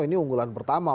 ini unggulan pertama